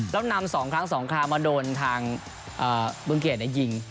แล้วนำสองครั้งสองครามมาโดนทางเบื้องเกียรติในยิง